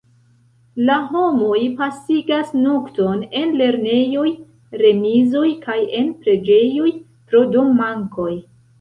La homoj pasigas nokton en lernejoj, remizoj kaj en preĝejoj pro dom-mankoj.